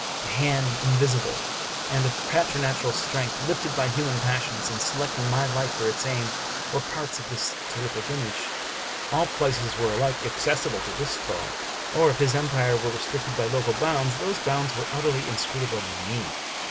A hand invisible and of preternatural strength, lifted by human passions, and selecting my life for its aim, were parts of this terrific image. All places were alike accessible to this foe ; or, if his empire were restricted by local bounds, those bounds were utterly inscrutable by me.